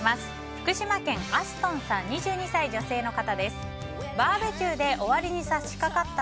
福島県、２２歳女性の方。